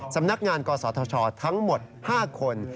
สำนักงานกศธชทั้งหมด๕คน